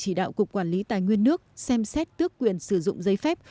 chỉ đạo cục quản lý tài nguyên nước xem xét tước quyền sử dụng giấy phép